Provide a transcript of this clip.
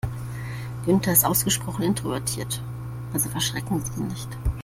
Günther ist ausgesprochen introvertiert, also verschrecken Sie ihn nicht.